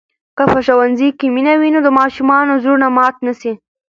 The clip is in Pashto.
که په ښوونځي کې مینه وي، نو د ماشومانو زړونه مات نه سي.